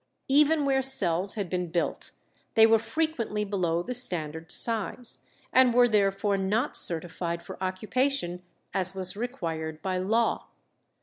Even where cells had been built they were frequently below the standard size, and were therefore not certified for occupation as was required by law.